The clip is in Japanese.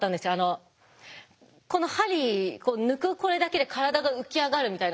この針抜くこれだけで体が浮き上がるみたいな。